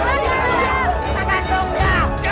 kita gantung dia